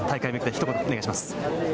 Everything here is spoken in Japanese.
ひと言お願いします。